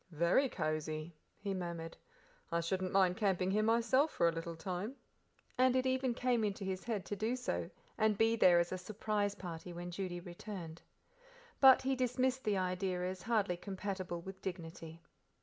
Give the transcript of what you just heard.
"Very cosy," he murmured, "I shouldn't mind camping here myself for a little time," and it even came into his head to do so, and be there as a "surprise party" when Judy returned. But he dismissed the idea as hardly compatible with dignity.